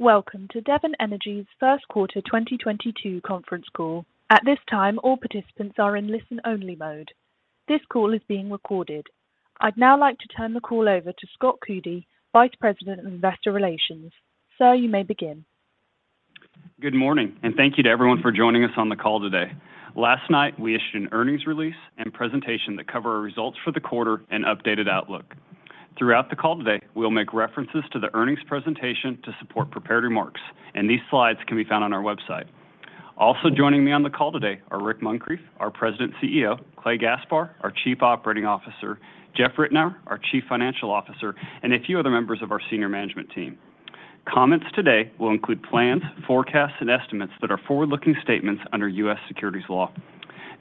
Welcome to Devon Energy's first quarter 2022 conference call. At this time, all participants are in listen-only mode. This call is being recorded. I'd now like to turn the call over to Scott Coody, Vice President of Investor Relations. Sir, you may begin. Good morning, and thank you to everyone for joining us on the call today. Last night, we issued an earnings release and presentation that cover our results for the quarter and updated outlook. Throughout the call today, we'll make references to the earnings presentation to support prepared remarks, and these slides can be found on our website. Also joining me on the call today are Rick Muncrief, our President CEO, Clay Gaspar, our Chief Operating Officer, Jeff Ritenour, our Chief Financial Officer, and a few other members of our senior management team. Comments today will include plans, forecasts, and estimates that are forward-looking statements under U.S. securities law.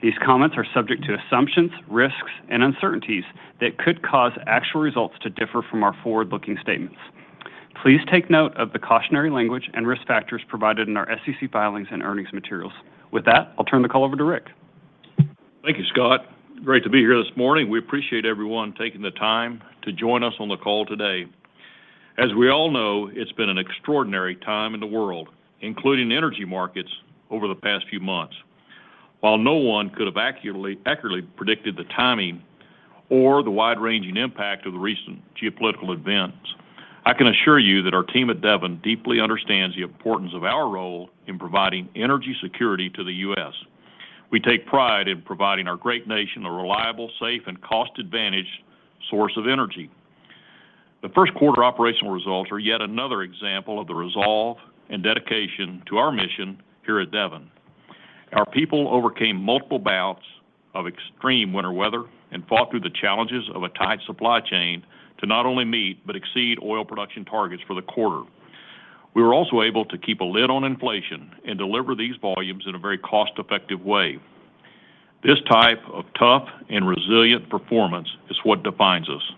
These comments are subject to assumptions, risks, and uncertainties that could cause actual results to differ from our forward-looking statements. Please take note of the cautionary language and risk factors provided in our SEC filings and earnings materials. With that, I'll turn the call over to Rick. Thank you, Scott. Great to be here this morning. We appreciate everyone taking the time to join us on the call today. As we all know, it's been an extraordinary time in the world, including energy markets over the past few months. While no one could have accurately predicted the timing or the wide-ranging impact of the recent geopolitical events, I can assure you that our team at Devon deeply understands the importance of our role in providing energy security to the U.S. We take pride in providing our great nation a reliable, safe, and cost-advantaged source of energy. The first quarter operational results are yet another example of the resolve and dedication to our mission here at Devon. Our people overcame multiple bouts of extreme winter weather and fought through the challenges of a tight supply chain to not only meet but exceed oil production targets for the quarter. We were also able to keep a lid on inflation and deliver these volumes in a very cost-effective way. This type of tough and resilient performance is what defines us,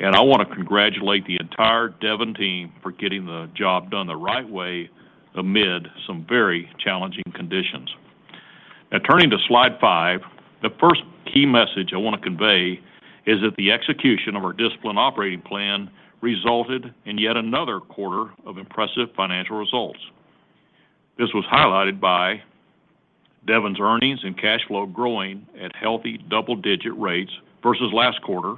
and I wanna congratulate the entire Devon team for getting the job done the right way amid some very challenging conditions. Now, turning to slide five, the first key message I wanna convey is that the execution of our disciplined operating plan resulted in yet another quarter of impressive financial results. This was highlighted by Devon's earnings and cash flow growing at healthy double-digit rates versus last quarter.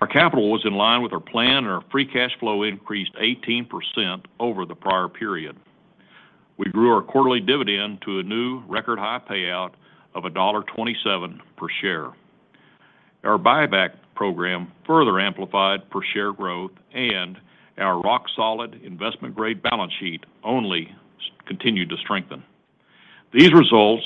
Our capital was in line with our plan, and our free cash flow increased 18% over the prior period. We grew our quarterly dividend to a new record-high payout of $1.27 per share. Our buyback program further amplified per share growth, and our rock-solid investment-grade balance sheet only continued to strengthen. These results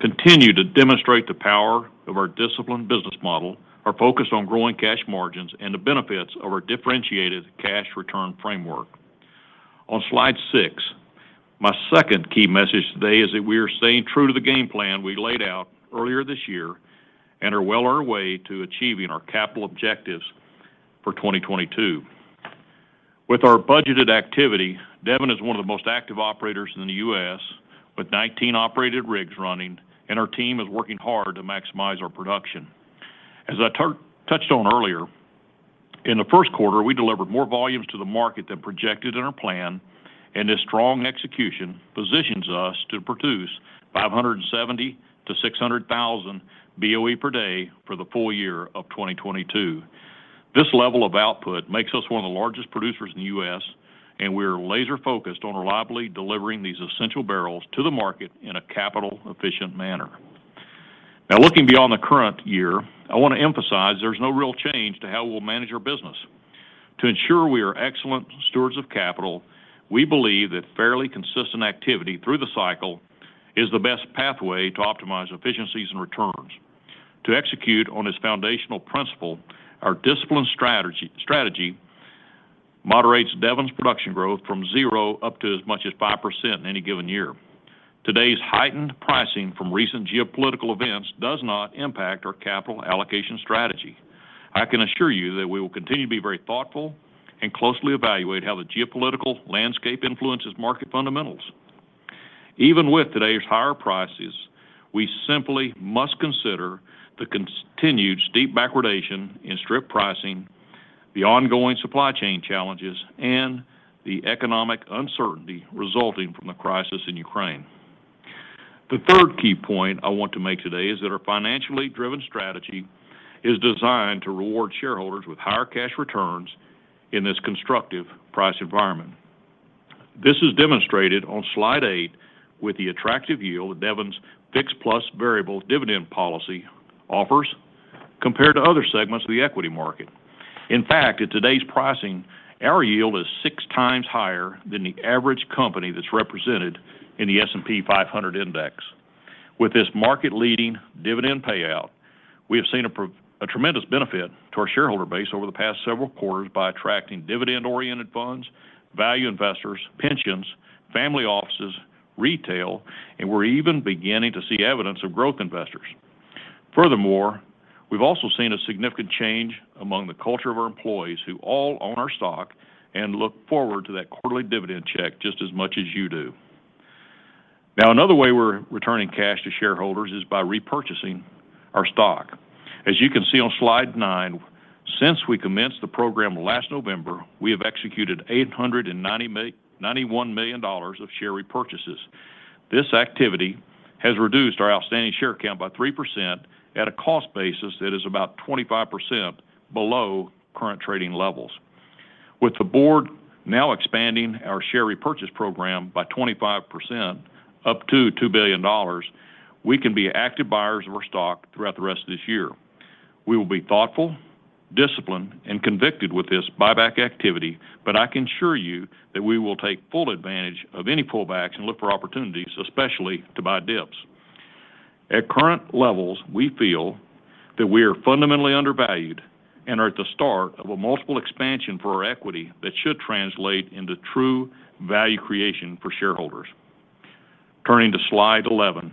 continue to demonstrate the power of our disciplined business model, our focus on growing cash margins, and the benefits of our differentiated cash return framework. On slide six, my second key message today is that we are staying true to the game plan we laid out earlier this year and are well on our way to achieving our capital objectives for 2022. With our budgeted activity, Devon is one of the most active operators in the U.S., with 19 operated rigs running, and our team is working hard to maximize our production. As I touched on earlier, in the first quarter, we delivered more volumes to the market than projected in our plan, and this strong execution positions us to produce 570,000-600,000 BOE per day for the full year of 2022. This level of output makes us one of the largest producers in the U.S., and we are laser-focused on reliably delivering these essential barrels to the market in a capital-efficient manner. Now, looking beyond the current year, I wanna emphasize there's no real change to how we'll manage our business. To ensure we are excellent stewards of capital, we believe that fairly consistent activity through the cycle is the best pathway to optimize efficiencies and returns. To execute on this foundational principle, our disciplined strategy moderates Devon's production growth from 0% up to as much as 5% in any given year. Today's heightened pricing from recent geopolitical events does not impact our capital allocation strategy. I can assure you that we will continue to be very thoughtful and closely evaluate how the geopolitical landscape influences market fundamentals. Even with today's higher prices, we simply must consider the continued steep backwardation in strip pricing, the ongoing supply chain challenges, and the economic uncertainty resulting from the crisis in Ukraine. The third key point I want to make today is that our financially driven strategy is designed to reward shareholders with higher cash returns in this constructive price environment. This is demonstrated on slide eight with the attractive yield of Devon's fixed plus variable dividend policy offers compared to other segments of the equity market. In fact, at today's pricing, our yield is six times higher than the average company that's represented in the S&P 500 index. With this market-leading dividend payout, we have seen a tremendous benefit to our shareholder base over the past several quarters by attracting dividend-oriented funds, value investors, pensions, family offices, retail, and we're even beginning to see evidence of growth investors. Furthermore, we've also seen a significant change among the culture of our employees who all own our stock and look forward to that quarterly dividend check just as much as you do. Now another way we're returning cash to shareholders is by repurchasing our stock. As you can see on slide nine, since we commenced the program last November, we have executed $891 million of share repurchases. This activity has reduced our outstanding share count by 3% at a cost basis that is about 25% below current trading levels. With the board now expanding our share repurchase program by 25% up to $2 billion, we can be active buyers of our stock throughout the rest of this year. We will be thoughtful, disciplined, and convicted with this buyback activity, but I can assure you that we will take full advantage of any pullbacks and look for opportunities, especially to buy dips. At current levels, we feel that we are fundamentally undervalued and are at the start of a multiple expansion for our equity that should translate into true value creation for shareholders. Turning to slide 11.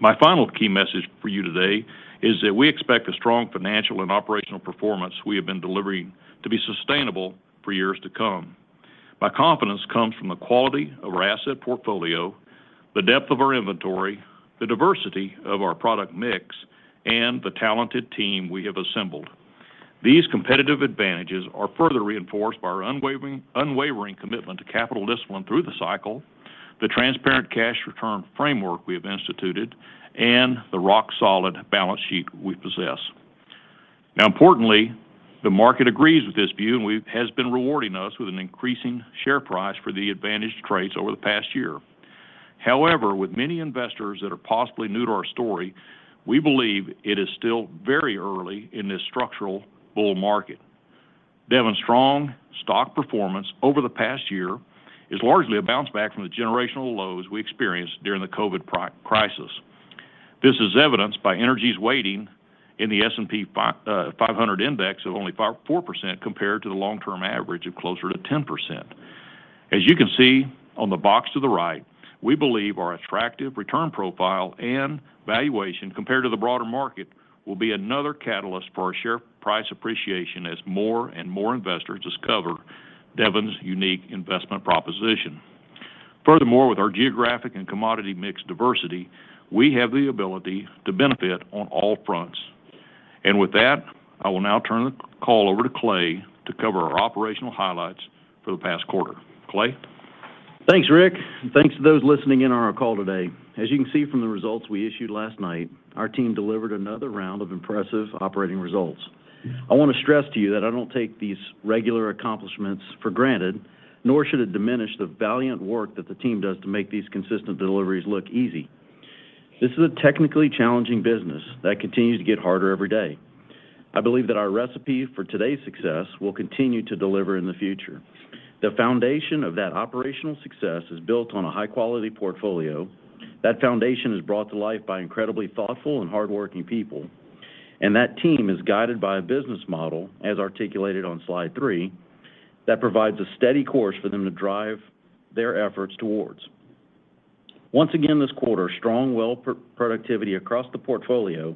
My final key message for you today is that we expect the strong financial and operational performance we have been delivering to be sustainable for years to come. My confidence comes from the quality of our asset portfolio, the depth of our inventory, the diversity of our product mix, and the talented team we have assembled. These competitive advantages are further reinforced by our unwavering commitment to capital discipline through the cycle, the transparent cash return framework we have instituted, and the rock-solid balance sheet we possess. Now importantly, the market agrees with this view and has been rewarding us with an increasing share price for the advantaged trades over the past year. However, with many investors that are possibly new to our story, we believe it is still very early in this structural bull market. Devon's strong stock performance over the past year is largely a bounce back from the generational lows we experienced during the COVID crisis. This is evidenced by energy's weighting in the S&P 500 index of only 4% compared to the long-term average of closer to 10%. As you can see on the box to the right, we believe our attractive return profile and valuation compared to the broader market will be another catalyst for our share price appreciation as more and more investors discover Devon's unique investment proposition. Furthermore, with our geographic and commodity mix diversity, we have the ability to benefit on all fronts. With that, I will now turn the call over to Clay to cover our operational highlights for the past quarter. Clay? Thanks, Rick, and thanks to those listening in on our call today. As you can see from the results we issued last night, our team delivered another round of impressive operating results. I wanna stress to you that I don't take these regular accomplishments for granted, nor should it diminish the valiant work that the team does to make these consistent deliveries look easy. This is a technically challenging business that continues to get harder every day. I believe that our recipe for today's success will continue to deliver in the future. The foundation of that operational success is built on a high-quality portfolio. That foundation is brought to life by incredibly thoughtful and hardworking people, and that team is guided by a business model, as articulated on slide three, that provides a steady course for them to drive their efforts towards. Once again this quarter, strong well productivity across the portfolio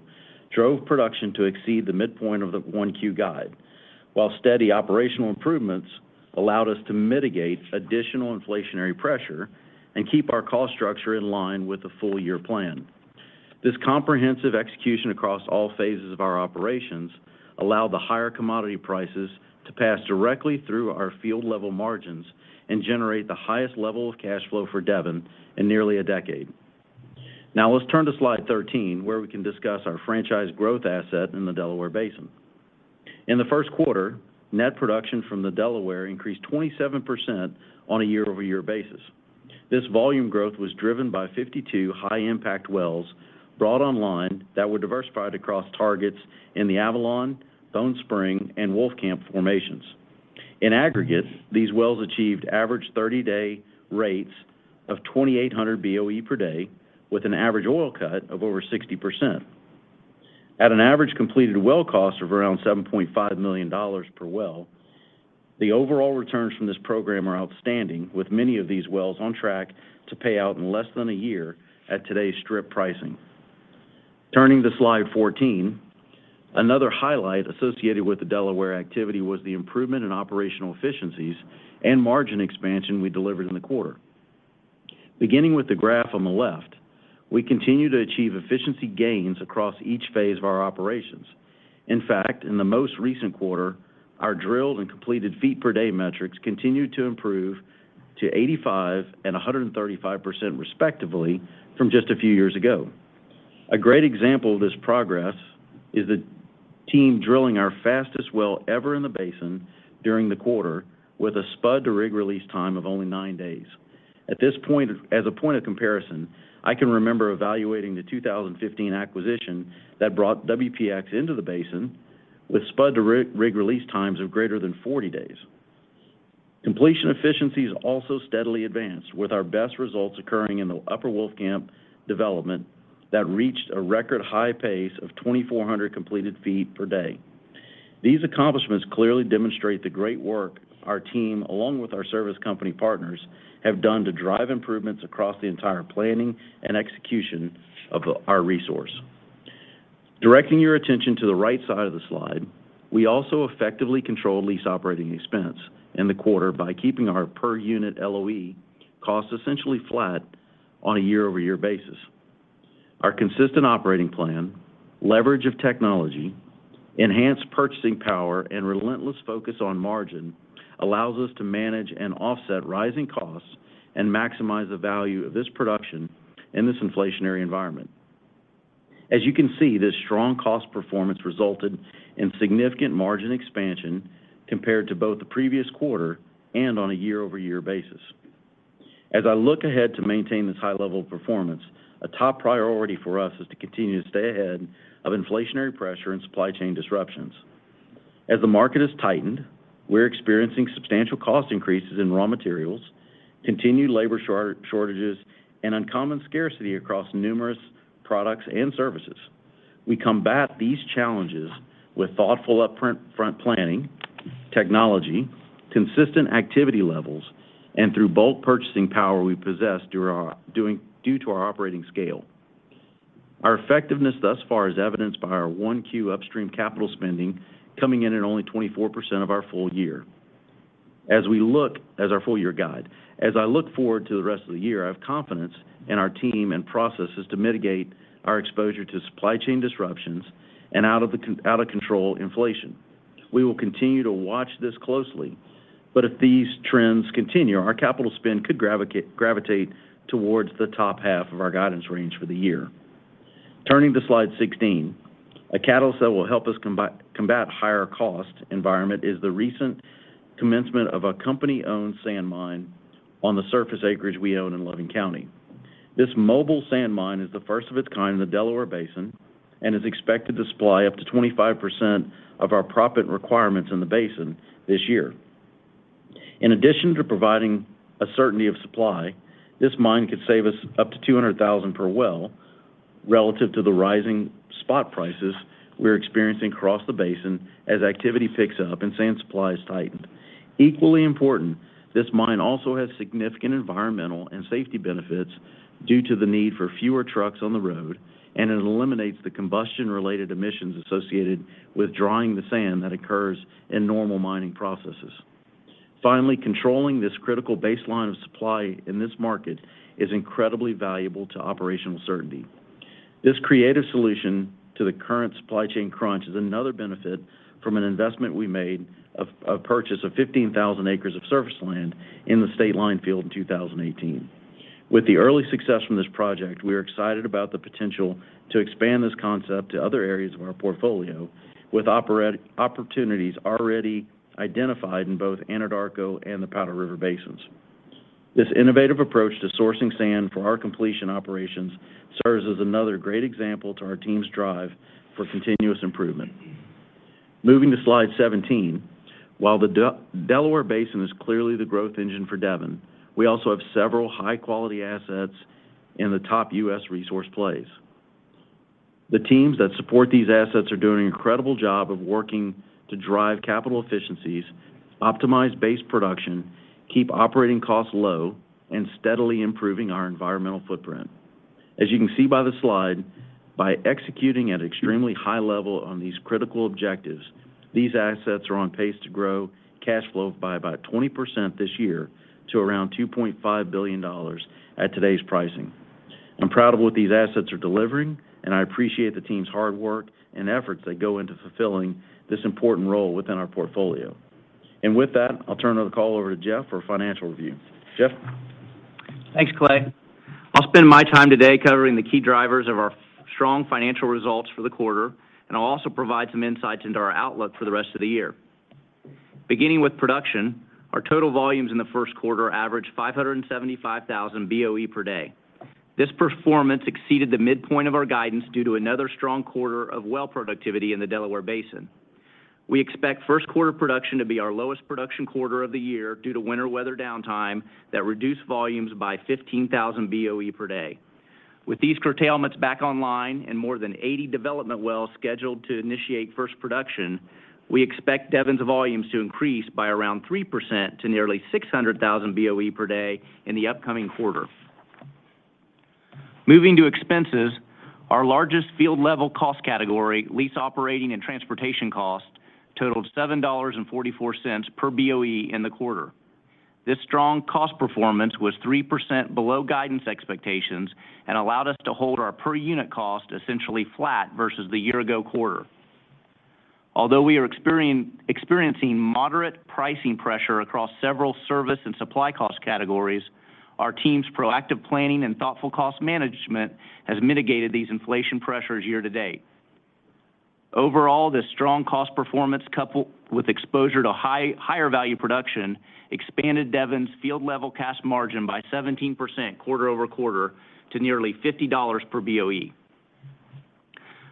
drove production to exceed the midpoint of the 1Q guide, while steady operational improvements allowed us to mitigate additional inflationary pressure and keep our cost structure in line with the full year plan. This comprehensive execution across all phases of our operations allow the higher commodity prices to pass directly through our field level margins and generate the highest level of cash flow for Devon in nearly a decade. Now let's turn to slide 13, where we can discuss our franchise growth asset in the Delaware Basin. In the first quarter, net production from the Delaware increased 27% on a year-over-year basis. This volume growth was driven by 52 high-impact wells brought online that were diversified across targets in the Avalon, Bone Spring, and Wolfcamp formations. In aggregate, these wells achieved average 30-day rates of 2,800 BOE per day with an average oil cut of over 60%. At an average completed well cost of around $7.5 million per well, the overall returns from this program are outstanding, with many of these wells on track to pay out in less than a year at today's strip pricing. Turning to slide 14, another highlight associated with the Delaware activity was the improvement in operational efficiencies and margin expansion we delivered in the quarter. Beginning with the graph on the left, we continue to achieve efficiency gains across each phase of our operations. In fact, in the most recent quarter, our drilled and completed feet per day metrics continued to improve to 85% and 135% respectively from just a few years ago. A great example of this progress is the team drilling our fastest well ever in the basin during the quarter with a spud to rig release time of only nine days. At this point, as a point of comparison, I can remember evaluating the 2015 acquisition that brought WPX into the basin with spud to rig release times of greater than 40 days. Completion efficiencies also steadily advanced, with our best results occurring in the Upper Wolfcamp development that reached a record high pace of 2,400 completed feet per day. These accomplishments clearly demonstrate the great work our team, along with our service company partners, have done to drive improvements across the entire planning and execution of our resource. Directing your attention to the right side of the slide, we also effectively control lease operating expense in the quarter by keeping our per unit LOE cost essentially flat on a year-over-year basis. Our consistent operating plan, leverage of technology, enhanced purchasing power, and relentless focus on margin allows us to manage and offset rising costs and maximize the value of this production in this inflationary environment. As you can see, this strong cost performance resulted in significant margin expansion compared to both the previous quarter and on a year-over-year basis. As I look ahead to maintain this high level of performance, a top priority for us is to continue to stay ahead of inflationary pressure and supply chain disruptions. As the market has tightened, we're experiencing substantial cost increases in raw materials, continued labor shortages, and uncommon scarcity across numerous products and services. We combat these challenges with thoughtful upfront planning, technology, consistent activity levels, and through bulk purchasing power we possess due to our operating scale. Our effectiveness thus far is evidenced by our 1Q upstream capital spending coming in at only 24% of our full-year guide. As I look forward to the rest of the year, I have confidence in our team and processes to mitigate our exposure to supply chain disruptions and out of control inflation. We will continue to watch this closely, but if these trends continue, our capital spend could gravitate towards the top half of our guidance range for the year. Turning to slide 16. A catalyst that will help us combat higher cost environment is the recent commencement of a company-owned sand mine on the surface acreage we own in Loving County. This mobile sand mine is the first of its kind in the Delaware Basin and is expected to supply up to 25% of our proppant requirements in the basin this year. In addition to providing a certainty of supply, this mine could save us up to $200,000 per well relative to the rising spot prices we're experiencing across the basin as activity picks up and sand supplies tighten. Equally important, this mine also has significant environmental and safety benefits due to the need for fewer trucks on the road, and it eliminates the combustion-related emissions associated with drawing the sand that occurs in normal mining processes. Finally, controlling this critical baseline of supply in this market is incredibly valuable to operational certainty. This creative solution to the current supply chain crunch is another benefit from an investment we made of purchase of 15,000 acres of surface land in the Stateline field in 2018. With the early success from this project, we are excited about the potential to expand this concept to other areas of our portfolio with opportunities already identified in both Anadarko and the Powder River Basins. This innovative approach to sourcing sand for our completion operations serves as another great example to our team's drive for continuous improvement. Moving to slide 17. While the Delaware Basin is clearly the growth engine for Devon, we also have several high-quality assets in the top U.S. resource plays. The teams that support these assets are doing an incredible job of working to drive capital efficiencies, optimize base production, keep operating costs low, and steadily improving our environmental footprint. As you can see by the slide, by executing at extremely high level on these critical objectives, these assets are on pace to grow cash flow by about 20% this year to around $2.5 billion at today's pricing. I'm proud of what these assets are delivering, and I appreciate the team's hard work and efforts that go into fulfilling this important role within our portfolio. With that, I'll turn the call over to Jeff for a financial review. Jeff? Thanks, Clay. I'll spend my time today covering the key drivers of our strong financial results for the quarter, and I'll also provide some insights into our outlook for the rest of the year. Beginning with production, our total volumes in the first quarter averaged 575,000 BOE per day. This performance exceeded the midpoint of our guidance due to another strong quarter of well productivity in the Delaware Basin. We expect first quarter production to be our lowest production quarter of the year due to winter weather downtime that reduced volumes by 15,000 BOE per day. With these curtailments back online and more than 80 development wells scheduled to initiate first production, we expect Devon's volumes to increase by around 3% to nearly 600,000 BOE per day in the upcoming quarter. Moving to expenses, our largest field-level cost category, lease operating and transportation cost, totaled $7.44 per BOE in the quarter. This strong cost performance was 3% below guidance expectations and allowed us to hold our per unit cost essentially flat versus the year-ago quarter. Although we are experiencing moderate pricing pressure across several service and supply cost categories, our team's proactive planning and thoughtful cost management has mitigated these inflation pressures year to date. Overall, this strong cost performance coupled with exposure to higher value production expanded Devon's field-level cash margin by 17% quarter-over-quarter to nearly $50 per BOE.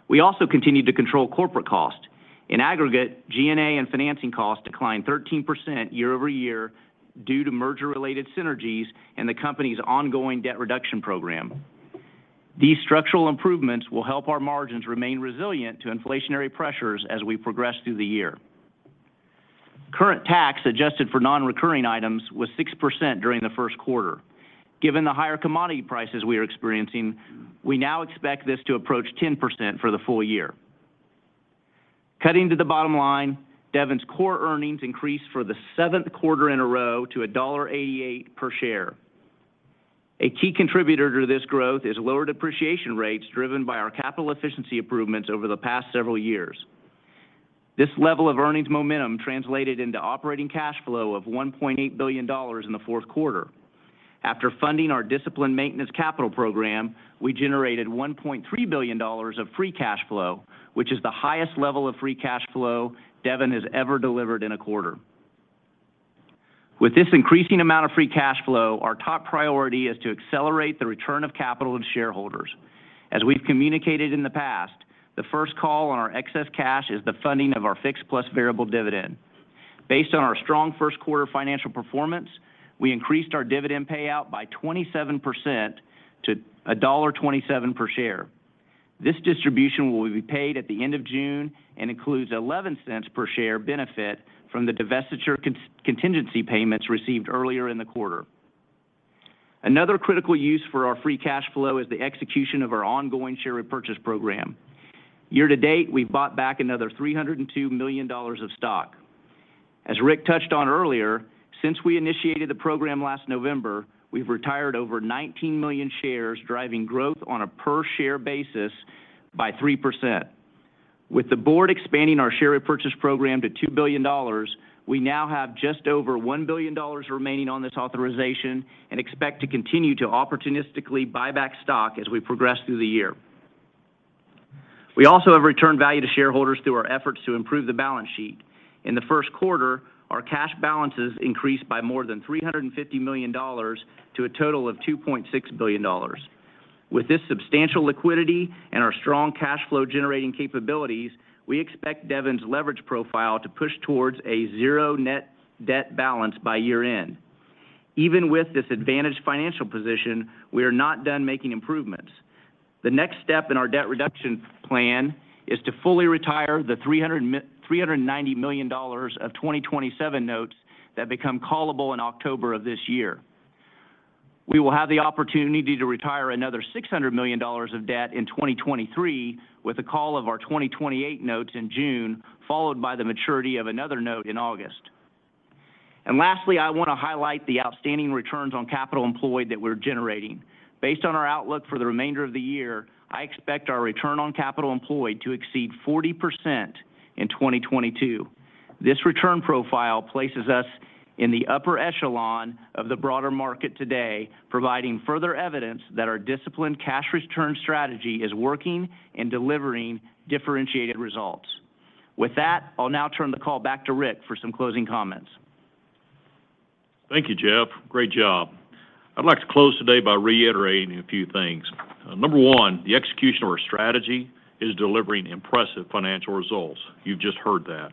We also continued to control corporate cost. In aggregate, G&A and financing costs declined 13% year-over-year due to merger-related synergies and the company's ongoing debt reduction program. These structural improvements will help our margins remain resilient to inflationary pressures as we progress through the year. Current tax adjusted for non-recurring items was 6% during the first quarter. Given the higher commodity prices we are experiencing, we now expect this to approach 10% for the full year. Cutting to the bottom line, Devon's core earnings increased for the seventh quarter in a row to $1.88 per share. A key contributor to this growth is lower depreciation rates driven by our capital efficiency improvements over the past several years. This level of earnings momentum translated into operating cash flow of $1.8 billion in the first quarter. After funding our disciplined maintenance capital program, we generated $1.3 billion of free cash flow, which is the highest level of free cash flow Devon has ever delivered in a quarter. With this increasing amount of free cash flow, our top priority is to accelerate the return of capital to shareholders. As we've communicated in the past, the first call on our excess cash is the funding of our fixed plus variable dividend. Based on our strong first quarter financial performance, we increased our dividend payout by 27% to $1.27 per share. This distribution will be paid at the end of June and includes $0.11 per share benefit from the divestiture contingency payments received earlier in the quarter. Another critical use for our free cash flow is the execution of our ongoing share repurchase program. Year to date, we've bought back another $302 million of stock. As Rick touched on earlier, since we initiated the program last November, we've retired over 19 million shares, driving growth on a per-share basis by 3%. With the board expanding our share repurchase program to $2 billion, we now have just over $1 billion remaining on this authorization and expect to continue to opportunistically buy back stock as we progress through the year. We also have returned value to shareholders through our efforts to improve the balance sheet. In the first quarter, our cash balances increased by more than $350 million to a total of $2.6 billion. With this substantial liquidity and our strong cash flow generating capabilities, we expect Devon's leverage profile to push towards a zero net debt balance by year-end. Even with this advantaged financial position, we are not done making improvements. The next step in our debt reduction plan is to fully retire the $390 million of 2027 notes that become callable in October of this year. We will have the opportunity to retire another $600 million of debt in 2023 with the call of our 2028 notes in June, followed by the maturity of another note in August. Lastly, I wanna highlight the outstanding returns on capital employed that we're generating. Based on our outlook for the remainder of the year, I expect our return on capital employed to exceed 40% in 2022. This return profile places us in the upper echelon of the broader market today, providing further evidence that our disciplined cash return strategy is working and delivering differentiated results. With that, I'll now turn the call back to Rick for some closing comments. Thank you, Jeff. Great job. I'd like to close today by reiterating a few things. Number one, the execution of our strategy is delivering impressive financial results. You've just heard that.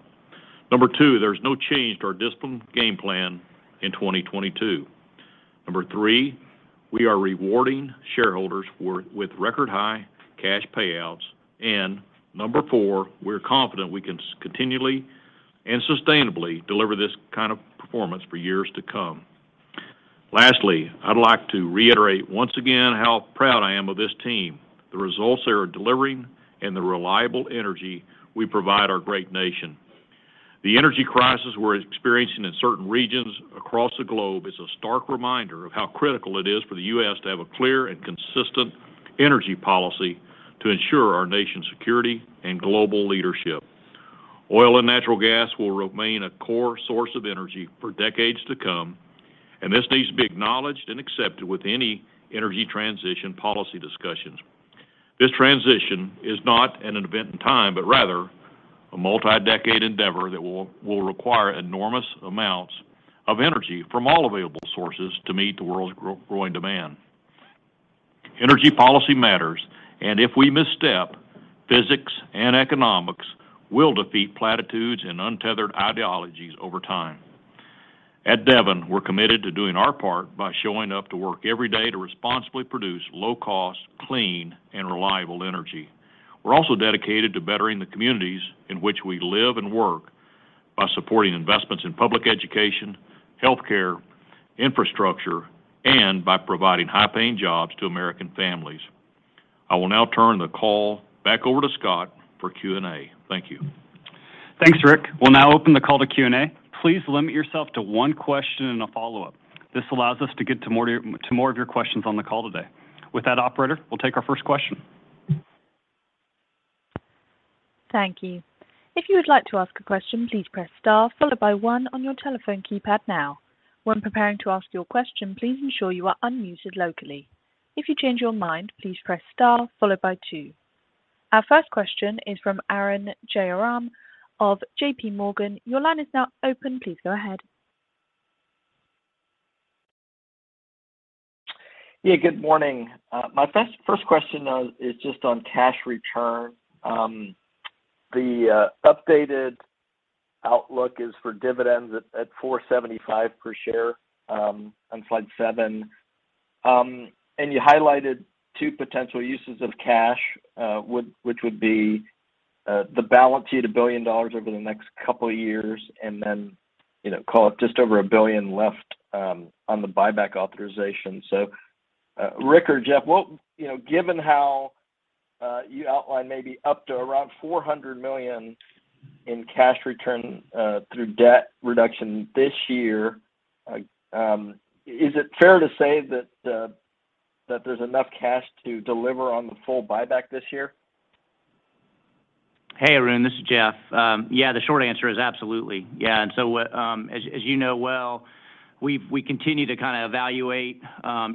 Number two, there's no change to our disciplined game plan in 2022. Number three, we are rewarding shareholders with record high cash payouts. Number four, we're confident we can continually and sustainably deliver this kind of performance for years to come. Lastly, I'd like to reiterate once again how proud I am of this team, the results they are delivering and the reliable energy we provide our great nation. The energy crisis we're experiencing in certain regions across the globe is a stark reminder of how critical it is for the U.S. to have a clear and consistent energy policy to ensure our nation's security and global leadership. Oil and natural gas will remain a core source of energy for decades to come, and this needs to be acknowledged and accepted with any energy transition policy discussions. This transition is not an event in time, but rather a multi-decade endeavor that will require enormous amounts of energy from all available sources to meet the world's growing demand. Energy policy matters, and if we misstep, physics and economics will defeat platitudes and untethered ideologies over time. At Devon, we're committed to doing our part by showing up to work every day to responsibly produce low cost, clean, and reliable energy. We're also dedicated to bettering the communities in which we live and work by supporting investments in public education, healthcare, infrastructure, and by providing high-paying jobs to American families. I will now turn the call back over to Scott for Q&A. Thank you. Thanks, Rick. We'll now open the call to Q&A. Please limit yourself to one question and a follow-up. This allows us to get to more of your questions on the call today. With that, operator, we'll take our first question. Thank you. If you would like to ask a question, please press star followed by one on your telephone keypad now. When preparing to ask your question, please ensure you are unmuted locally. If you change your mind, please press star followed by two. Our first question is from Arun Jayaram of J.P. Morgan. Your line is now open. Please go ahead. Yeah, good morning. My first question is just on cash return. The updated outlook is for dividends at $4.75 per share on slide seven. You highlighted two potential uses of cash, which would be the balance sheet $1 billion over the next couple of years, and then, you know, call it just over $1 billion left on the buyback authorization. Rick or Jeff, you know, given how you outlined maybe up to around $400 million in cash return through debt reduction this year, is it fair to say that there's enough cash to deliver on the full buyback this year? Hey, Arun, this is Jeff. Yeah, the short answer is absolutely. Yeah, as you know well, we continue to kind of evaluate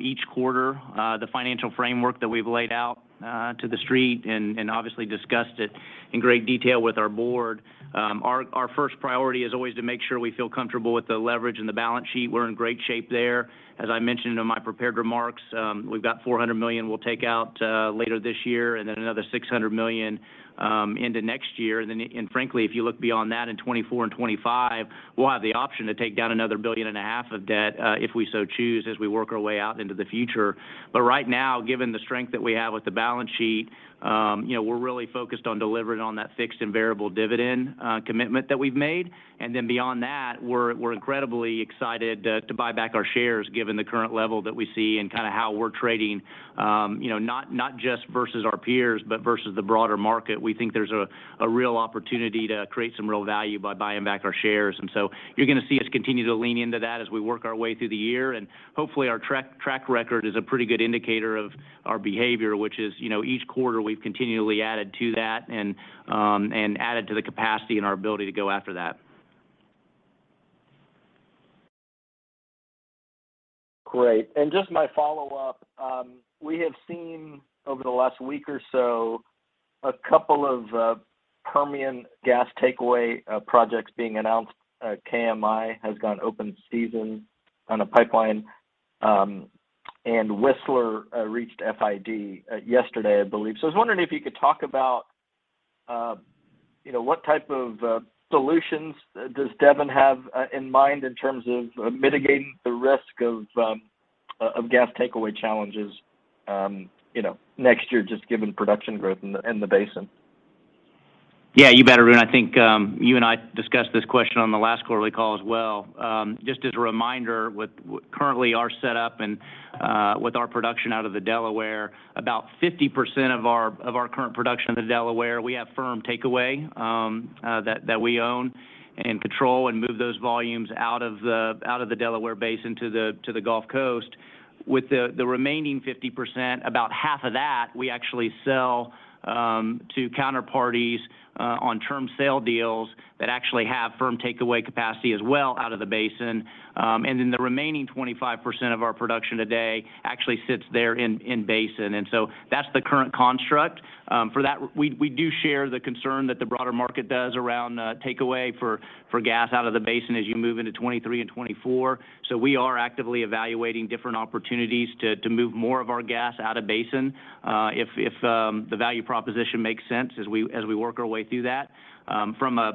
each quarter the financial framework that we've laid out to the Street and obviously discussed it in great detail with our board. Our first priority is always to make sure we feel comfortable with the leverage and the balance sheet. We're in great shape there. As I mentioned in my prepared remarks, we've got $400 million we'll take out later this year and then another $600 million into next year. Frankly, if you look beyond that in 2024 and 2025, we'll have the option to take down another $1.5 billion of debt if we so choose as we work our way out into the future. Right now, given the strength that we have with the balance sheet, you know, we're really focused on delivering on that fixed and variable dividend commitment that we've made. Then beyond that, we're incredibly excited to buy back our shares given the current level that we see and kind of how we're trading, you know, not just versus our peers, but versus the broader market. We think there's a real opportunity to create some real value by buying back our shares. You're gonna see us continue to lean into that as we work our way through the year. Hopefully, our track record is a pretty good indicator of our behavior, which is, you know, each quarter we've continually added to that and added to the capacity and our ability to go after that. Great. Just my follow-up, we have seen over the last week or so a couple of Permian gas takeaway projects being announced. KMI has gone open season on a pipeline, and Whistler reached FID yesterday, I believe. I was wondering if you could talk about, you know, what type of solutions does Devon have in mind in terms of mitigating the risk of gas takeaway challenges, you know, next year, just given production growth in the basin. Yeah, you bet, Arun. I think you and I discussed this question on the last quarterly call as well. Just as a reminder, with currently our set up and with our production out of the Delaware, about 50% of our current production of the Delaware, we have firm takeaway that we own and control and move those volumes out of the Delaware Basin to the Gulf Coast. With the remaining 50%, about half of that, we actually sell to counterparties on term sale deals that actually have firm takeaway capacity as well out of the basin. The remaining 25% of our production today actually sits there in basin. That's the current construct. For that, we do share the concern that the broader market does around takeaway for gas out of the basin as you move into 2023 and 2024. We are actively evaluating different opportunities to move more of our gas out of basin if the value proposition makes sense as we work our way through that. From a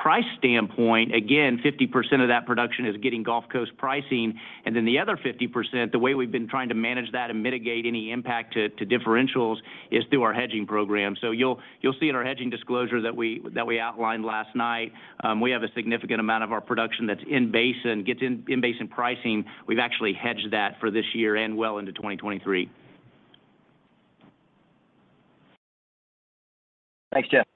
price standpoint, again, 50% of that production is getting Gulf Coast pricing. The other 50%, the way we've been trying to manage that and mitigate any impact to differentials is through our hedging program. You'll see in our hedging disclosure that we outlined last night, we have a significant amount of our production that's in basin, gets in basin pricing. We've actually hedged that for this year and well into 2023. Thanks, Jeff.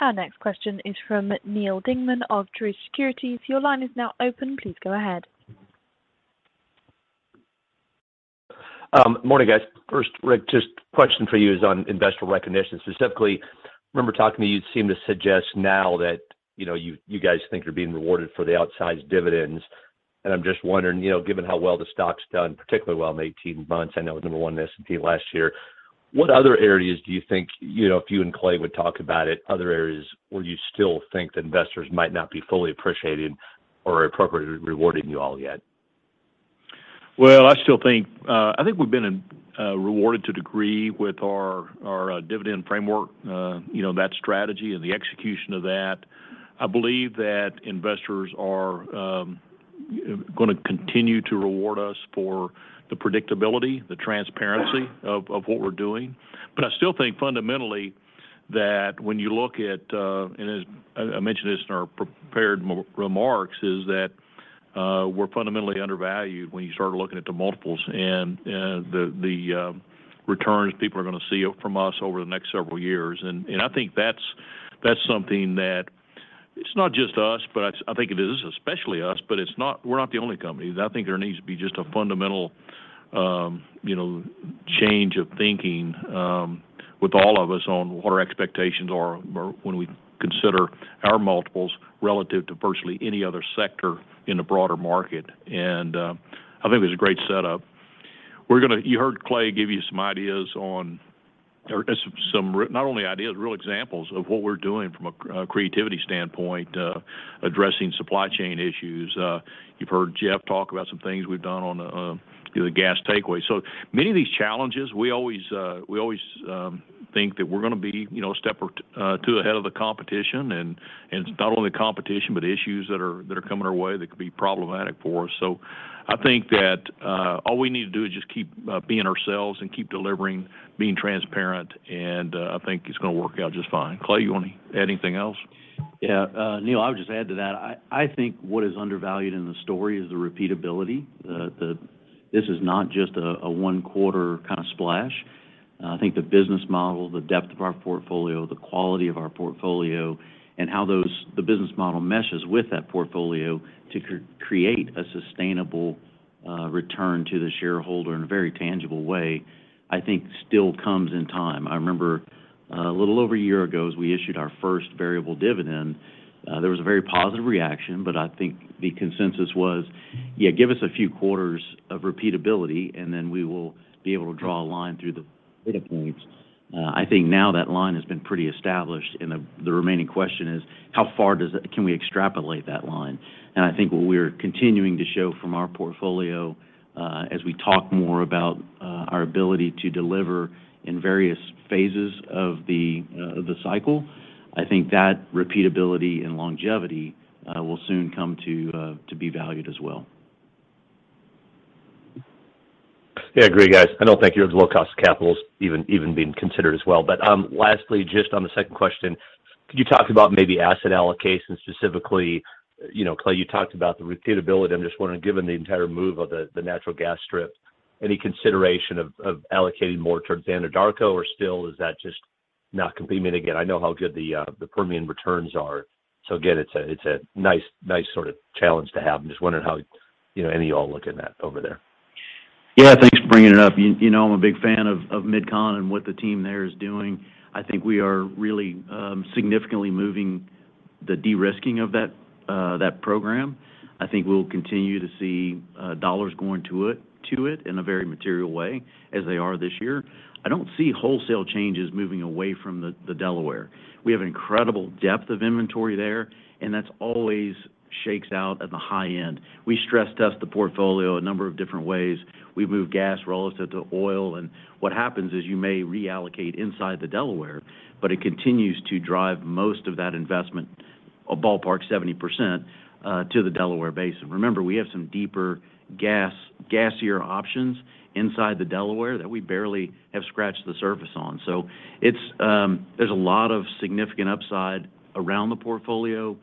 Our next question is from Neal Dingmann of Truist Securities. Your line is now open. Please go ahead. Morning, guys. First, Rick, just question for you is on investor recognition. Specifically, I remember talking to you. You seem to suggest now that, you know, you guys think you're being rewarded for the outsized dividends. I'm just wondering, you know, given how well the stock's done, particularly well in 18 months. I know it was number one in S&P last year. What other areas do you think, you know, if you and Clay would talk about it, other areas where you still think the investors might not be fully appreciating or appropriately rewarding you all yet? Well, I still think we've been rewarded to a degree with our dividend framework, you know, that strategy and the execution of that. I believe that investors are gonna continue to reward us for the predictability, the transparency of what we're doing. I still think fundamentally that when you look at, and as I mentioned this in our prepared remarks, is that we're fundamentally undervalued when you start looking at the multiples and the returns people are gonna see from us over the next several years. I think that's something that it's not just us, but I think it is, especially us, but it's not, we're not the only company. I think there needs to be just a fundamental, you know, change of thinking, with all of us on what our expectations are or when we consider our multiples relative to virtually any other sector in the broader market. I think it was a great setup. You heard Clay give you some ideas, not only ideas, real examples of what we're doing from a creativity standpoint, addressing supply chain issues. You've heard Jeff talk about some things we've done on the gas takeaway. So many of these challenges, we always think that we're gonna be, you know, a step or two ahead of the competition. Not only competition, but issues that are coming our way that could be problematic for us. I think that all we need to do is just keep being ourselves and keep delivering, being transparent, and I think it's gonna work out just fine. Clay, you wanna add anything else? Yeah. Neal, I would just add to that. I think what is undervalued in the story is the repeatability. This is not just a one quarter kind of splash. I think the business model, the depth of our portfolio, the quality of our portfolio, and how the business model meshes with that portfolio to create a sustainable return to the shareholder in a very tangible way, I think still comes in time. I remember a little over a year ago, as we issued our first variable dividend, there was a very positive reaction, but I think the consensus was, "Yeah, give us a few quarters of repeatability, and then we will be able to draw a line through the data points." I think now that line has been pretty established, and the remaining question is how far can we extrapolate that line? I think what we're continuing to show from our portfolio, as we talk more about our ability to deliver in various phases of the cycle, I think that repeatability and longevity will soon come to be valued as well. Yeah, I agree, guys. I don't think your low cost of capital's even being considered as well. Lastly, just on the second question, could you talk about maybe asset allocation, specifically, you know, Clay, you talked about the repeatability. I'm just wondering, given the entire move of the natural gas strip, any consideration of allocating more towards Anadarko, or still is that just not competing? Again, I know how good the Permian returns are, so again, it's a nice sort of challenge to have. I'm just wondering how, you know, any of y'all look at that over there. Yeah, thanks for bringing it up. You know, I'm a big fan of MidCon and what the team there is doing. I think we are really significantly moving the de-risking of that program. I think we'll continue to see dollars going to it in a very material way, as they are this year. I don't see wholesale changes moving away from the Delaware. We have incredible depth of inventory there, and that's always shakes out at the high end. We stress test the portfolio a number of different ways. We move gas relative to oil. What happens is you may reallocate inside the Delaware, but it continues to drive most of that investment, a ballpark 70% to the Delaware Basin. Remember, we have some deeper gas, gassier options inside the Delaware that we barely have scratched the surface on. It's, there's a lot of significant upside around the portfolio,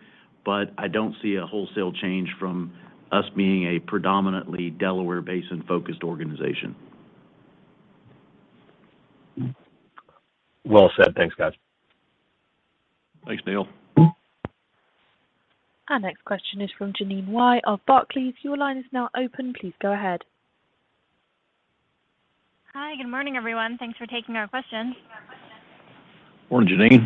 but I don't see a wholesale change from us being a predominantly Delaware Basin-focused organization. Well said. Thanks, guys. Thanks, Neal. Our next question is from Jeanine Wai of Barclays. Your line is now open. Please go ahead. Hi. Good morning, everyone. Thanks for taking our questions. Morning, Jeanine.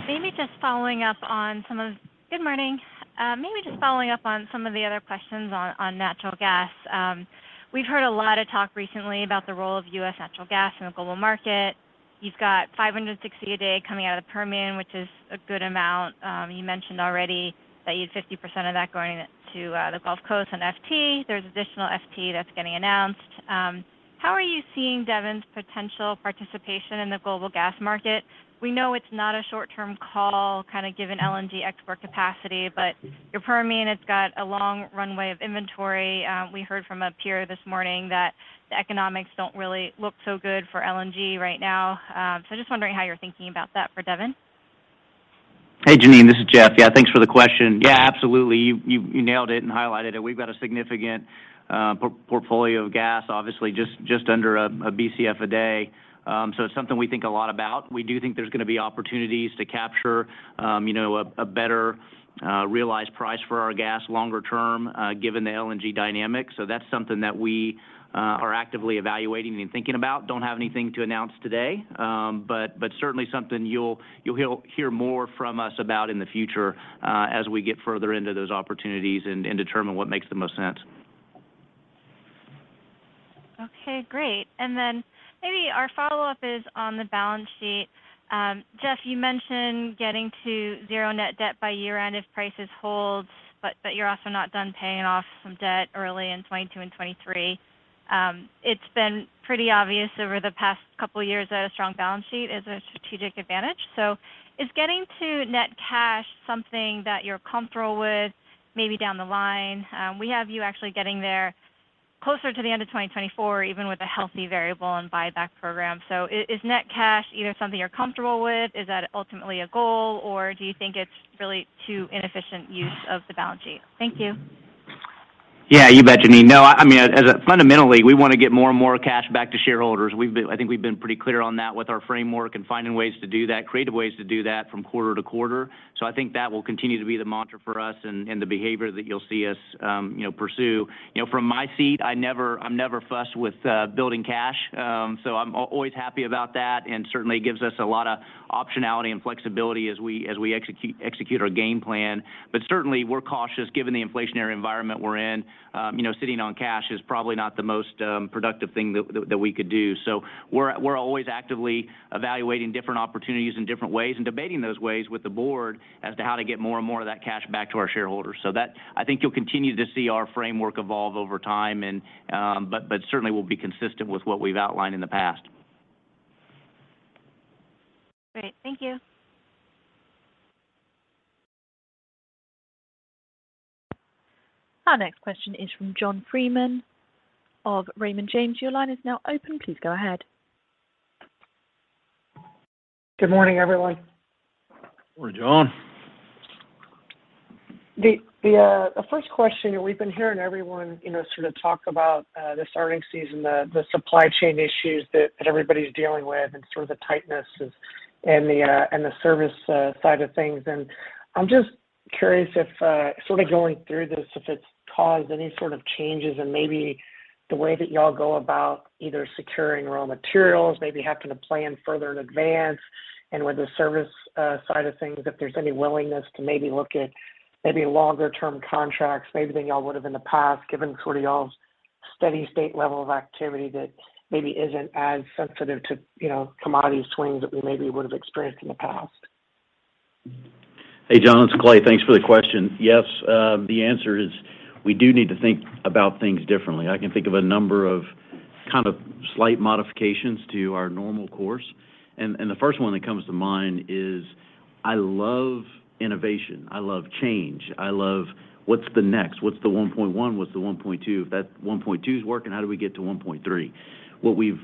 Good morning. Maybe just following up on some of the other questions on natural gas. We've heard a lot of talk recently about the role of U.S. natural gas in the global market. You've got 560 a day coming out of the Permian, which is a good amount. You mentioned already that you had 50% of that going to the Gulf Coast and FT. There's additional FT that's getting announced. How are you seeing Devon's potential participation in the global gas market? We know it's not a short-term call, kind of given LNG export capacity, but your Permian has got a long runway of inventory. We heard from a peer this morning that the economics don't really look so good for LNG right now. Just wondering how you're thinking about that for Devon. Hey, Jeanine, this is Jeff. Yeah, thanks for the question. Yeah, absolutely. You nailed it and highlighted it. We've got a significant portfolio of gas, obviously just under a BCF a day. It's something we think a lot about. We do think there's gonna be opportunities to capture you know a better realized price for our gas longer term given the LNG dynamics. That's something that we are actively evaluating and thinking about. Don't have anything to announce today. Certainly something you'll hear more from us about in the future as we get further into those opportunities and determine what makes the most sense. Okay, great. Maybe our follow-up is on the balance sheet. Jeff, you mentioned getting to zero net debt by year-end if prices hold, but you're also not done paying off some debt early in 2022 and 2023. It's been pretty obvious over the past couple years that a strong balance sheet is a strategic advantage. Is getting to net cash something that you're comfortable with maybe down the line? We have you actually getting there closer to the end of 2024, even with a healthy variable and buyback program. Is net cash, you know, something you're comfortable with? Is that ultimately a goal, or do you think it's really too inefficient use of the balance sheet? Thank you. Yeah, you bet, Jeanine. No, I mean, fundamentally, we wanna get more and more cash back to shareholders. I think we've been pretty clear on that with our framework and finding ways to do that, creative ways to do that from quarter to quarter. I think that will continue to be the mantra for us and the behavior that you'll see us pursue. You know, from my seat, I'm never fussed with building cash. I'm always happy about that, and certainly gives us a lot of optionality and flexibility as we execute our game plan. Certainly, we're cautious given the inflationary environment we're in. You know, sitting on cash is probably not the most productive thing that we could do. We're always actively evaluating different opportunities in different ways and debating those ways with the board as to how to get more and more of that cash back to our shareholders. I think you'll continue to see our framework evolve over time and, but certainly we'll be consistent with what we've outlined in the past. Great. Thank you. Our next question is from John Freeman of Raymond James. Your line is now open. Please go ahead. Good morning, everyone. Morning, John. The first question, we've been hearing everyone, you know, sort of talk about this earnings season, the supply chain issues that everybody's dealing with and sort of the tightness and the service side of things. I'm just curious if sort of going through this, if it's caused any sort of changes in maybe the way that y'all go about either securing raw materials, maybe having to plan further in advance, and with the service side of things, if there's any willingness to maybe look at maybe longer-term contracts, maybe than y'all would have in the past, given sort of y'all's steady state level of activity that maybe isn't as sensitive to, you know, commodity swings that we maybe would have experienced in the past. Hey, John, it's Clay. Thanks for the question. Yes, the answer is we do need to think about things differently. I can think of a number of kind of slight modifications to our normal course. The first one that comes to mind is I love innovation. I love change. I love what's the next. What's the 1.1? What's the 1.2? If that 1.2's working, how do we get to 1.3? What we've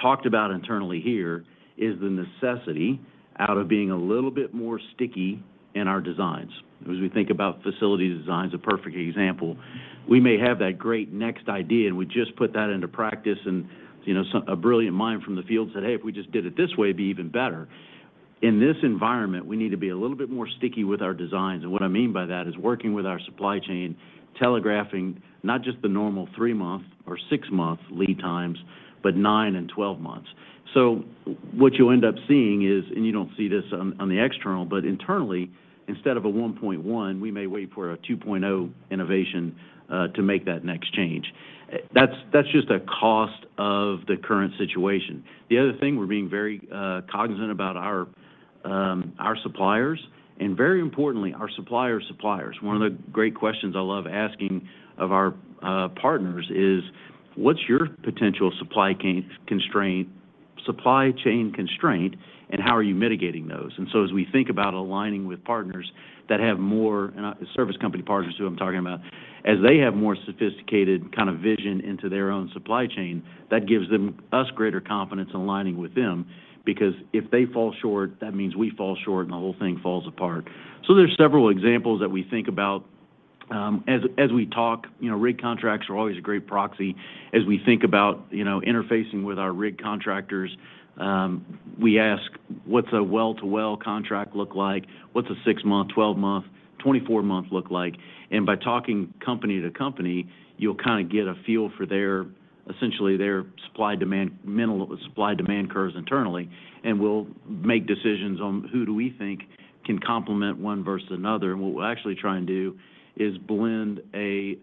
talked about internally here is the necessity of being a little bit more sticky in our designs. As we think about facility designs, a perfect example, we may have that great next idea, and we just put that into practice and, you know, a brilliant mind from the field said, "Hey, if we just did it this way, it'd be even better." In this environment, we need to be a little bit more sticky with our designs. What I mean by that is working with our supply chain, telegraphing not just the normal 6-month or 6-month lead times, but 9 and 12 months. What you'll end up seeing is, and you don't see this on the external, but internally, instead of a 1.1, we may wait for a 2.0 innovation to make that next change. That's just a cost of the current situation. The other thing we're being very cognizant about our suppliers, and very importantly, our supplier's suppliers. One of the great questions I love asking of our partners is, what's your potential supply chain constraint and how are you mitigating those? As we think about aligning with partners that have more, and service company partners who I'm talking about, as they have more sophisticated kind of vision into their own supply chain, that gives us greater confidence in aligning with them. Because if they fall short, that means we fall short, and the whole thing falls apart. There's several examples that we think about as we talk. You know, rig contracts are always a great proxy. As we think about, you know, interfacing with our rig contractors, we ask, what's a well-to-well contract look like? What's a 6-month, 12-month, 24-month look like? By talking company to company, you'll kind of get a feel for their, essentially their supply-demand, minimal supply-demand curves internally. We'll make decisions on who do we think can complement one versus another. What we'll actually try and do is blend a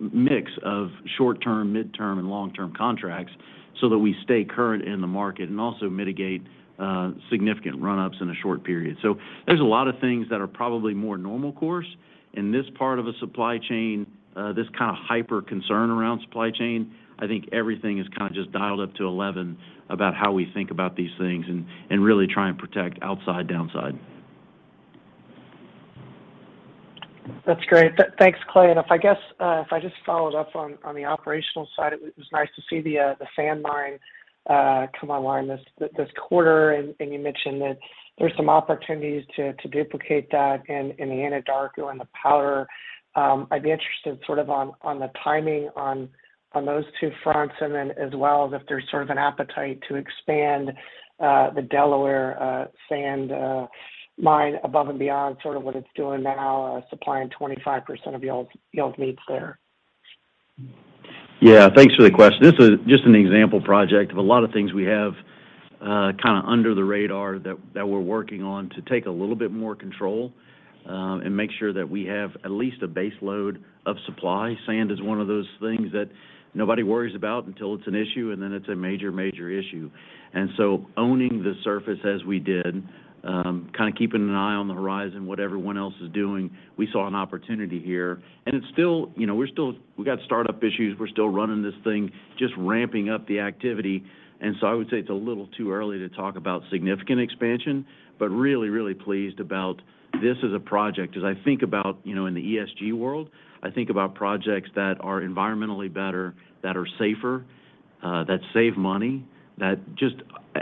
mix of short-term, mid-term, and long-term contracts so that we stay current in the market and also mitigate significant run-ups in a short period. There's a lot of things that are probably more normal course. In this part of a supply chain, this kind of hyper-concern around supply chain, I think everything is kind of just dialed up to eleven about how we think about these things and really try and protect outside downside. That's great. Thanks, Clay. If I guess, if I just followed up on the operational side, it was nice to see the sand mine come online this quarter. You mentioned that there's some opportunities to duplicate that in the Anadarko and the Powder. I'd be interested sort of on the timing on those two fronts and then as well as if there's sort of an appetite to expand the Delaware sand mine above and beyond sort of what it's doing now, supplying 25% of y'all's needs there. Yeah. Thanks for the question. This is just an example project of a lot of things we have kinda under the radar that we're working on to take a little bit more control and make sure that we have at least a base load of supply. Sand is one of those things that nobody worries about until it's an issue, and then it's a major issue. Owning the surface as we did, kinda keeping an eye on the horizon what everyone else is doing, we saw an opportunity here. It's still, you know. We got startup issues. We're still running this thing, just ramping up the activity. I would say it's a little too early to talk about significant expansion, but really pleased about this as a project. As I think about, you know, in the ESG world, I think about projects that are environmentally better, that are safer, that save money, that just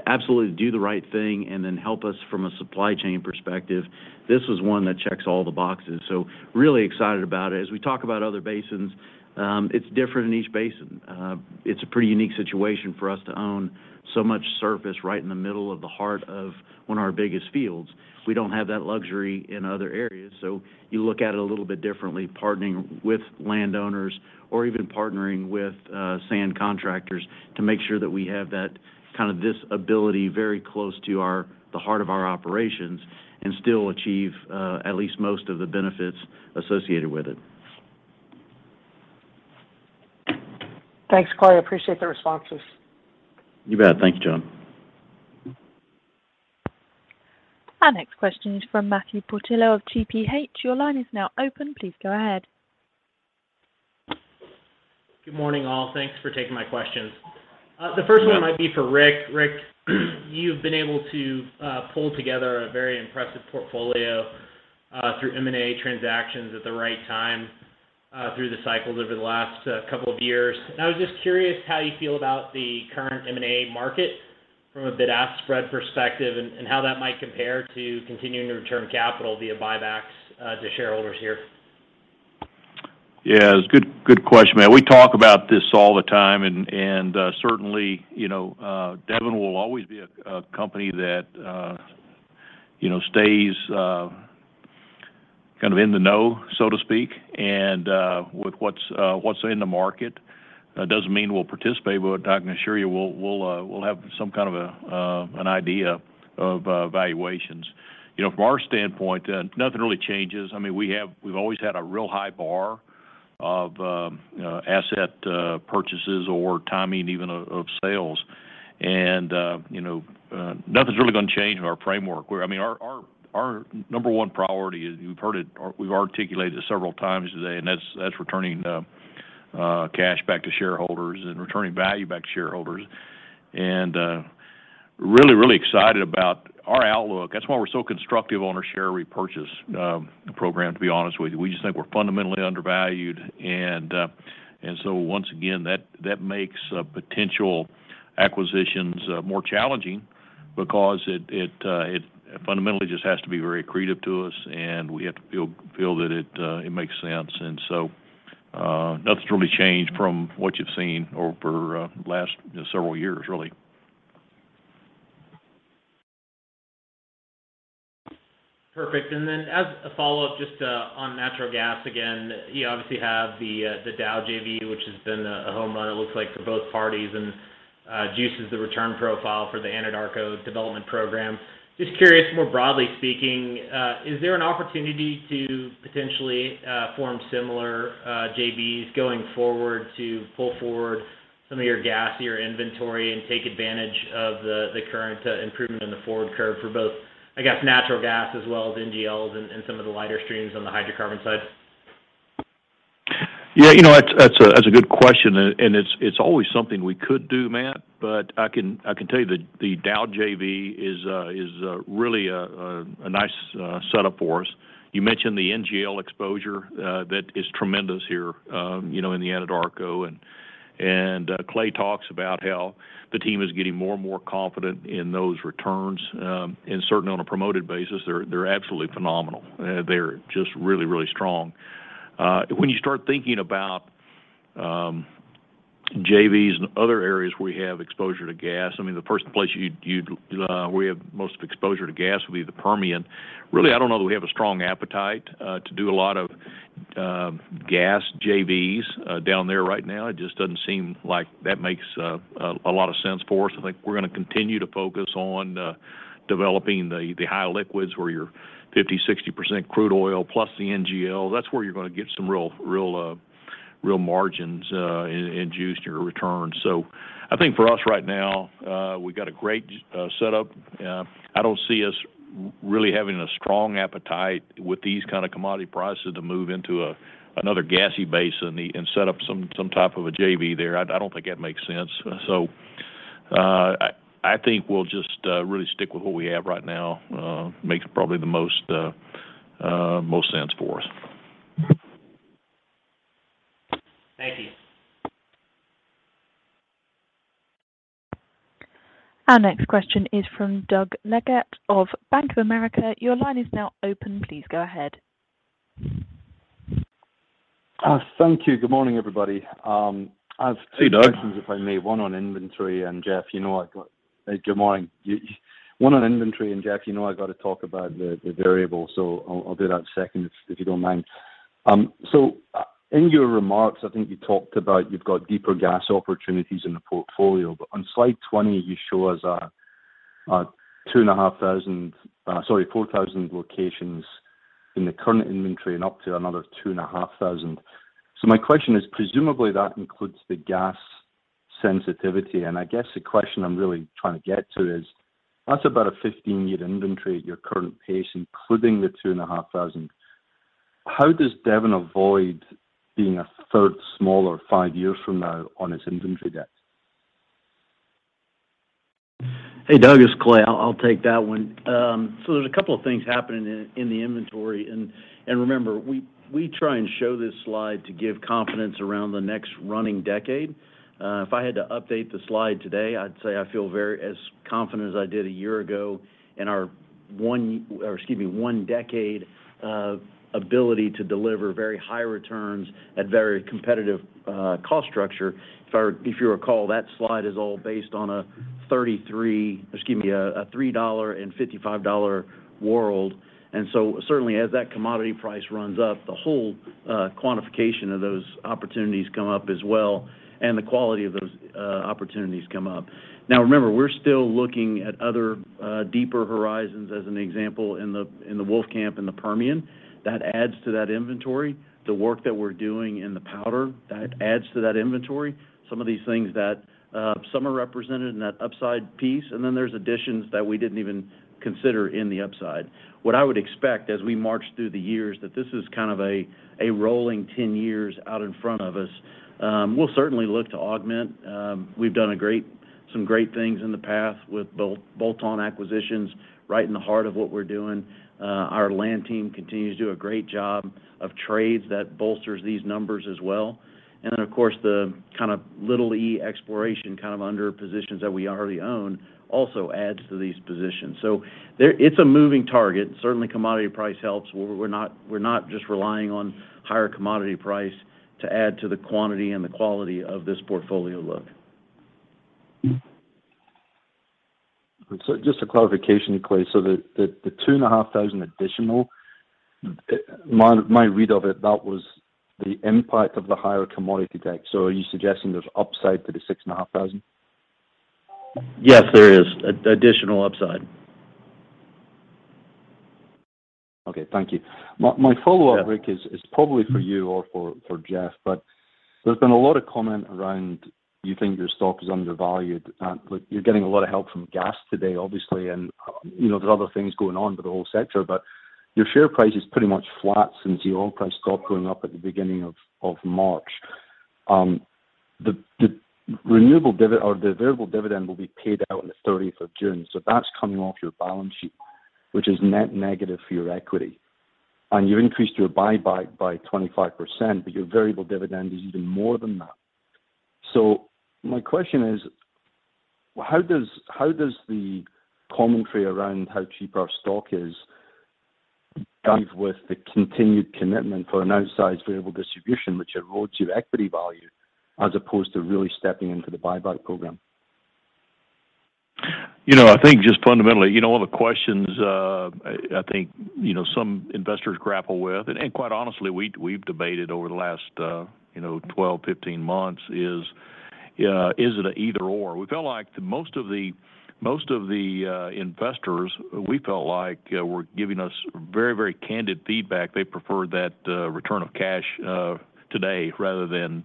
absolutely do the right thing and then help us from a supply chain perspective. This was one that checks all the boxes, so really excited about it. As we talk about other basins, it's different in each basin. It's a pretty unique situation for us to own so much surface right in the middle of the heart of one of our biggest fields. We don't have that luxury in other areas. You look at it a little bit differently, partnering with landowners or even partnering with sand contractors to make sure that we have that kind of availability very close to the heart of our operations and still achieve at least most of the benefits associated with it. Thanks, Clay. I appreciate the responses. You bet. Thank you, John. Our next question is from Matthew Portillo of TPH. Your line is now open. Please go ahead. Good morning, all. Thanks for taking my questions. The first one might be for Rick. Rick, you've been able to pull together a very impressive portfolio through M&A transactions at the right time through the cycles over the last couple of years. I was just curious how you feel about the current M&A market from a bid-ask spread perspective, and how that might compare to continuing to return capital via buybacks to shareholders here. Yeah. Good question, Matt. We talk about this all the time, and certainly, you know, Devon will always be a company that, you know, stays kind of in the know, so to speak, and with what's in the market. Doesn't mean we'll participate, but I can assure you we'll have some kind of an idea of valuations. You know, from our standpoint, nothing really changes. I mean, we've always had a real high bar of asset purchases or timing even of sales. You know, nothing's really gonna change in our framework. I mean, our number one priority is, you've heard it, or we've articulated it several times today, and that's returning cash back to shareholders and returning value back to shareholders. Really excited about our outlook. That's why we're so constructive on our share repurchase program, to be honest with you. We just think we're fundamentally undervalued. Once again, that makes potential acquisitions more challenging because it fundamentally just has to be very accretive to us, and we have to feel that it makes sense. Nothing's really changed from what you've seen over last, you know, several years, really. Perfect. As a follow-up, just on natural gas, again, you obviously have the Dow JV, which has been a home run, it looks like for both parties, and juices the return profile for the Anadarko development program. Just curious, more broadly speaking, is there an opportunity to potentially form similar JVs going forward to pull forward some of your gassier inventory and take advantage of the current improvement in the forward curve for both, I guess, natural gas as well as NGLs and some of the lighter streams on the hydrocarbon side? Yeah, you know, that's a good question and it's always something we could do, Matthew, but I can tell you the Dow JV is really a nice setup for us. You mentioned the NGL exposure. That is tremendous here, you know, in the Anadarko. Clay talks about how the team is getting more and more confident in those returns. Certainly on a promoted basis, they're absolutely phenomenal. They're just really strong. When you start thinking about JVs and other areas where we have exposure to gas, I mean, the first place you'd where we have most exposure to gas would be the Permian. Really, I don't know that we have a strong appetite to do a lot of gas JVs down there right now. It just doesn't seem like that makes a lot of sense for us. I think we're gonna continue to focus on developing the high liquids where you're 50%-60% crude oil plus the NGL. That's where you're gonna get some real margins and juice to your returns. I think for us right now, we've got a great setup. I don't see us really having a strong appetite with these kind of commodity prices to move into another gassy base and set up some type of a JV there. I don't think that makes sense. I think we'll just really stick with what we have right now. Makes probably the most sense for us. Thank you. Our next question is from Doug Leggate of Bank of America. Your line is now open. Please go ahead. Thank you. Good morning, everybody. I have two- Hey, Doug. Questions, if I may. One on inventory, and Jeff, you know, I've got to talk about the variable, so I'll do that second if you don't mind. In your remarks, I think you talked about you've got deeper gas opportunities in the portfolio. On slide 20, you show us 2,500, sorry, 4,000 locations in the current inventory and up to another 2,500. My question is, presumably, that includes the gas sensitivity. I guess the question I'm really trying to get to is, that's about a 15-year inventory at your current pace, including the 2,500. How does Devon avoid being a third smaller five years from now on its inventory depth? Hey, Doug, it's Clay. I'll take that one. So there's a couple of things happening in the inventory. Remember, we try and show this slide to give confidence around the next running decade. If I had to update the slide today, I'd say I feel as confident as I did a year ago in our one decade of ability to deliver very high returns at very competitive cost structure. If you recall, that slide is all based on a $3 and $55 world. Certainly as that commodity price runs up, the whole quantification of those opportunities come up as well, and the quality of those opportunities come up. Now, remember, we're still looking at other deeper horizons as an example in the Wolfcamp and the Permian. That adds to that inventory. The work that we're doing in the Powder, that adds to that inventory. Some of these things that some are represented in that upside piece, and then there's additions that we didn't even consider in the upside. What I would expect as we march through the years, that this is kind of a rolling 10 years out in front of us. We'll certainly look to augment. We've done some great things in the past with bolt-on acquisitions right in the heart of what we're doing. Our land team continues to do a great job of trades that bolsters these numbers as well. Of course, the kind of little E&P exploration kind of undeveloped positions that we already own also adds to these positions. There, it's a moving target. Certainly, commodity price helps. We're not just relying on higher commodity price to add to the quantity and the quality of this portfolio outlook. Just a clarification, Clay. The 2,500 additional, my read of it, that was the impact of the higher commodity deck. Are you suggesting there's upside to the 6,500? Yes, there is additional upside. Okay. Thank you. My follow-up, Rick. Yeah. This is probably for you or for Jeff, but there's been a lot of comment around you think your stock is undervalued. You're getting a lot of help from gas today, obviously, and you know, there are other things going on with the whole sector, but your share price is pretty much flat since the oil price stopped going up at the beginning of March. The variable dividend will be paid out on the thirtieth of June, so that's coming off your balance sheet, which is net negative for your equity. You increased your buy back by 25%, but your variable dividend is even more than that. My question is: how does the commentary around how cheap our stock is jive with the continued commitment for an outsized variable distribution, which erodes your equity value as opposed to really stepping into the buyback program? You know, I think just fundamentally, you know, all the questions, I think, you know, some investors grapple with, and quite honestly, we've debated over the last, you know, 12, 15 months is it a either/or? We felt like most of the investors were giving us very candid feedback. They preferred that return of cash today rather than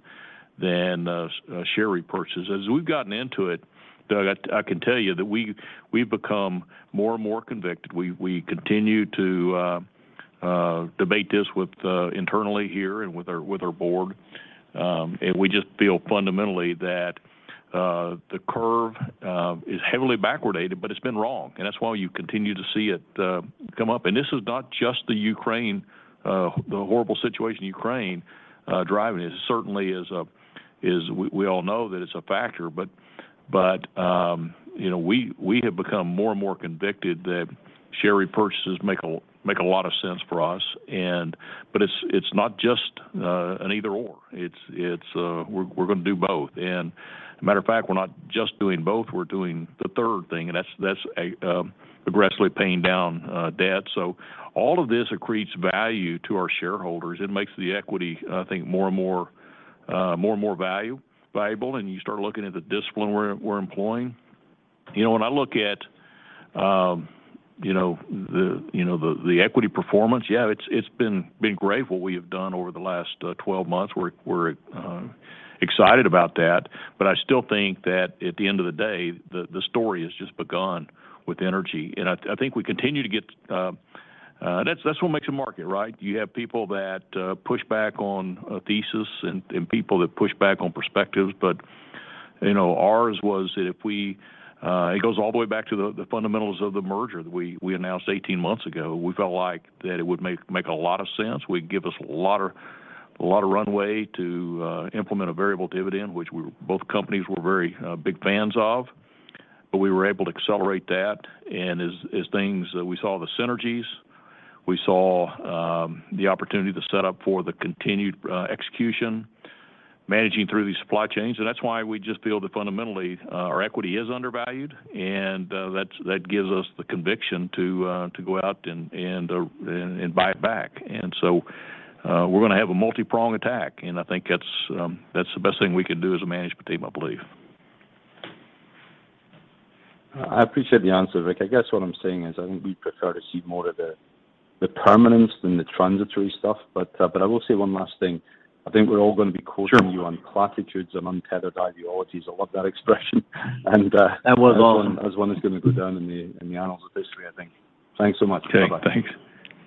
share repurchases. As we've gotten into it, Doug, I can tell you that we've become more and more convicted. We continue to debate this internally here and with our board. We just feel fundamentally that the curve is heavily backwardated, but it's been wrong, and that's why you continue to see it come up. This is not just Ukraine, the horrible situation in Ukraine, driving it. It certainly is. We all know that it's a factor. You know, we have become more and more convicted that share repurchases make a lot of sense for us. It's not just an either/or. It's, we're gonna do both. Matter of fact, we're not just doing both, we're doing the third thing, and that's aggressively paying down debt. All of this accretes value to our shareholders. It makes the equity, I think, more and more valuable, and you start looking at the discipline we're employing. You know, when I look at you know, the equity performance, yeah, it's been great what we have done over the last 12 months. We're excited about that. I still think that at the end of the day, the story has just begun with energy. That's what makes a market, right? You have people that push back on a thesis and people that push back on perspectives. You know, ours was that. It goes all the way back to the fundamentals of the merger that we announced 18 months ago. We felt like that it would make a lot of sense, would give us a lot of runway to implement a variable dividend, which both companies were very big fans of, but we were able to accelerate that. We saw the synergies, we saw the opportunity to set up for the continued execution, managing through these supply chains. That's why we just feel that fundamentally our equity is undervalued, and that gives us the conviction to go out and buy it back. We're gonna have a multi-prong attack, and I think that's the best thing we can do as a management team, I believe. I appreciate the answer, Rick. I guess what I'm saying is, I think we'd prefer to see more of the permanence than the transitory stuff. I will say one last thing. I think we're all gonna be quoting you on platitudes and untethered ideologies. I love that expression. That was all. That one is gonna go down in the annals of history, I think. Thanks so much. Thanks.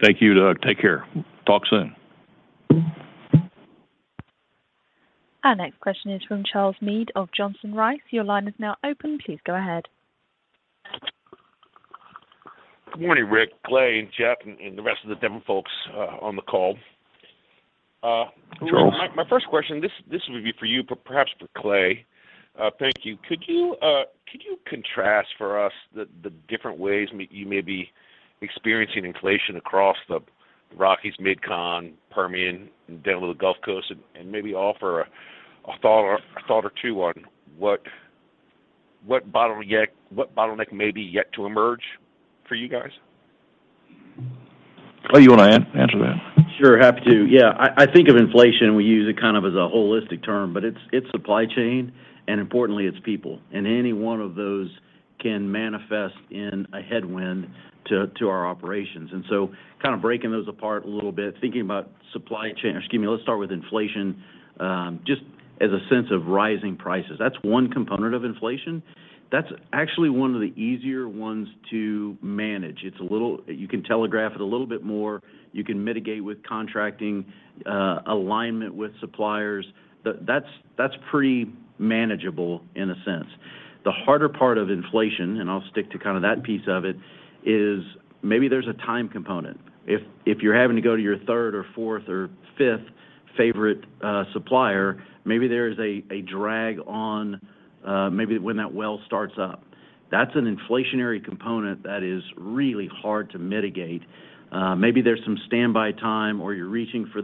Thank you, Doug. Take care. Talk soon. Our next question is from Charles Meade of Johnson Rice. Your line is now open. Please go ahead. Good morning, Rick, Clay, and Jeff, and the rest of the Devon folks on the call. Charles. My first question, this would be for you, but perhaps for Clay. Thank you. Could you contrast for us the different ways you may be experiencing inflation across the Rockies, MidCon, Permian, and down to the Gulf Coast, and maybe offer a thought or two on what bottleneck may be yet to emerge for you guys? Clay, you wanna answer that? Sure. Happy to. Yeah. I think of inflation, we use it kind of as a holistic term, but it's supply chain, and importantly, it's people, and any one of those can manifest in a headwind to our operations. So kind of breaking those apart a little bit, thinking about supply chain, or excuse me, let's start with inflation, just as a sense of rising prices. That's one component of inflation. That's actually one of the easier ones to manage. It's a little. You can telegraph it a little bit more. You can mitigate with contracting, alignment with suppliers. That's pretty manageable in a sense. The harder part of inflation, and I'll stick to kind of that piece of it, is maybe there's a time component. If you're having to go to your third or fourth or fifth favorite supplier, maybe there is a drag on maybe when that well starts up. That's an inflationary component that is really hard to mitigate. Maybe there's some standby time, or you're reaching for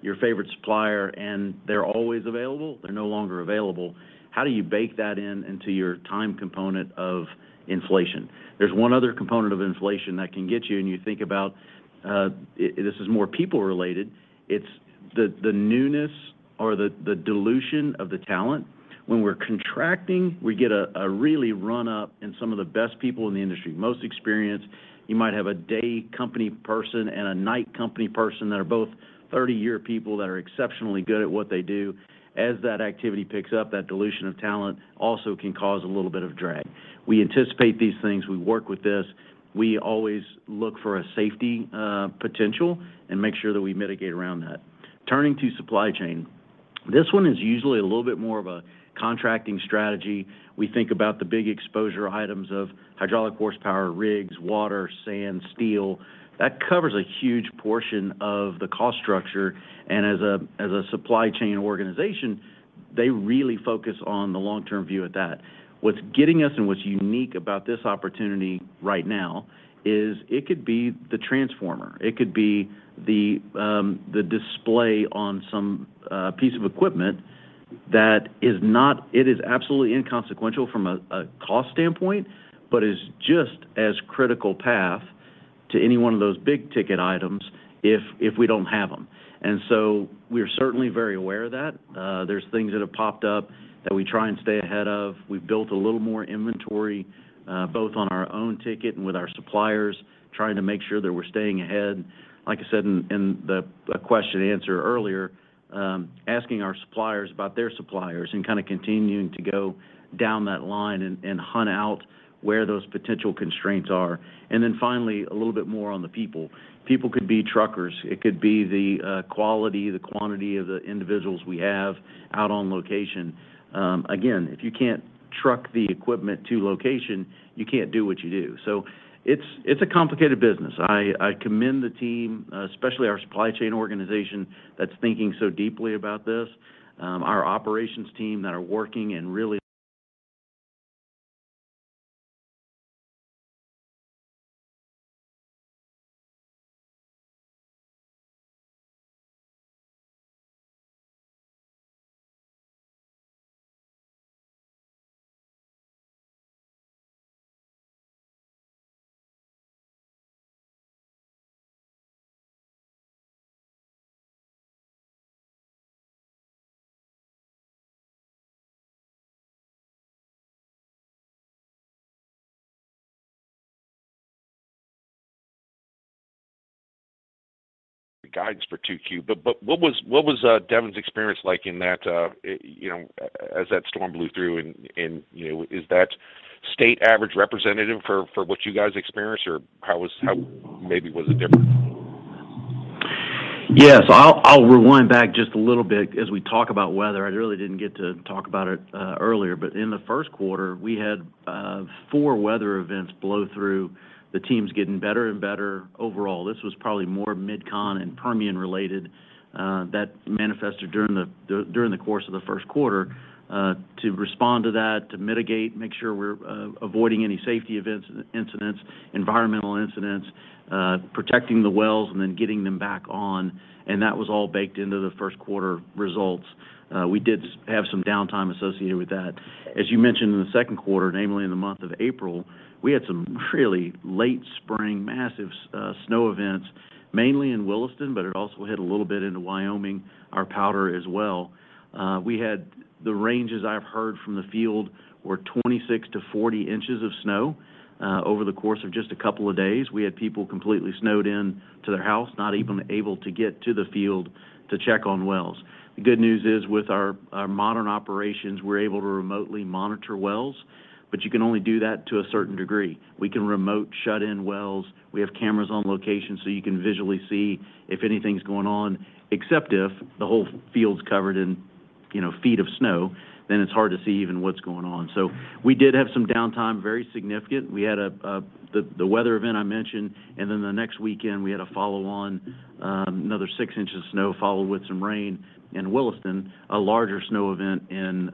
your favorite supplier, and they're always available, they're no longer available. How do you bake that into your time component of inflation? There's one other component of inflation that can get you, and you think about this is more people related. It's the newness or the dilution of the talent. When we're contracting, we get a really run up in some of the best people in the industry, most experienced. You might have a day company person and a night company person that are both 30-year people that are exceptionally good at what they do. As that activity picks up, that dilution of talent also can cause a little bit of drag. We anticipate these things. We work with this. We always look for a safety potential and make sure that we mitigate around that. Turning to supply chain, this one is usually a little bit more of a contracting strategy. We think about the big exposure items of hydraulic horsepower, rigs, water, sand, steel. That covers a huge portion of the cost structure. As a supply chain organization, they really focus on the long-term view of that. What's getting us and what's unique about this opportunity right now is it could be the transformer, it could be the display on some piece of equipment that is absolutely inconsequential from a cost standpoint, but is just as critical path to any one of those big-ticket items if we don't have them. We're certainly very aware of that. There's things that have popped up that we try and stay ahead of. We've built a little more inventory, both on our own ticket and with our suppliers, trying to make sure that we're staying ahead. Like I said in the a question and answer earlier, asking our suppliers about their suppliers and kinda continuing to go down that line and hunt out where those potential constraints are. Finally, a little bit more on the people. People could be truckers. It could be the quality, the quantity of the individuals we have out on location. Again, if you can't truck the equipment to location, you can't do what you do. It's a complicated business. I commend the team, especially our supply chain organization that's thinking so deeply about this, our operations team that are working and really The guidance for 2Q. What was Devon's experience like in that, you know, as that storm blew through and, you know, is that state average representative for what you guys experienced? Or how maybe was it different? Yes, I'll rewind back just a little bit as we talk about weather. I really didn't get to talk about it earlier. In the first quarter, we had four weather events blow through. The team's getting better and better overall. This was probably more mid-con and Permian related that manifested during the course of the first quarter. To respond to that, to mitigate, make sure we're avoiding any safety events, incidents, environmental incidents, protecting the wells and then getting them back on. That was all baked into the first quarter results. We did have some downtime associated with that. As you mentioned in the second quarter, namely in the month of April, we had some really late spring massive snow events, mainly in Williston, but it also hit a little bit into Wyoming, our Powder River as well. We had the ranges I've heard from the field were 26-40 in of snow over the course of just a couple of days. We had people completely snowed in to their house, not even able to get to the field to check on wells. The good news is, with our modern operations, we're able to remotely monitor wells, but you can only do that to a certain degree. We can remote shut in wells. We have cameras on location, so you can visually see if anything's going on, except if the whole field's covered in, you know, feet of snow, then it's hard to see even what's going on. We did have some downtime, very significant. We had the weather event I mentioned, and then the next weekend we had a follow-on another 6 in of snow followed with some rain in Williston. A larger snow event in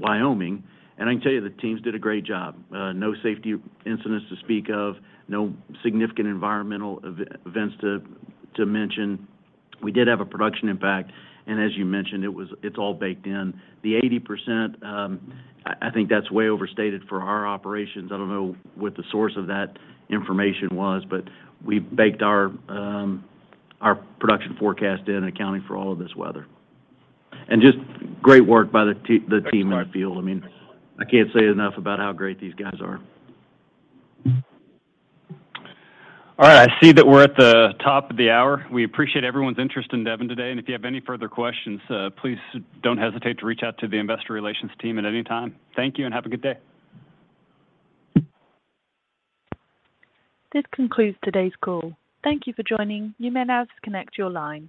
Wyoming. I can tell you, the teams did a great job. No safety incidents to speak of, no significant environmental events to mention. We did have a production impact, and as you mentioned, it's all baked in. The 80%, I think that's way overstated for our operations. I don't know what the source of that information was, but we baked our production forecast in accounting for all of this weather. Just great work by the team in the field. I mean, I can't say enough about how great these guys are. All right, I see that we're at the top of the hour. We appreciate everyone's interest in Devon today, and if you have any further questions, please don't hesitate to reach out to the investor relations team at any time. Thank you and have a good day. This concludes today's call. Thank you for joining. You may now disconnect your line.